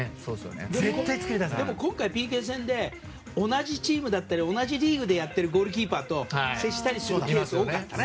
でも今回、ＰＫ戦で同じチームだったり同じリーグでやってるゴールキーパーと接したりするケースが多かったね。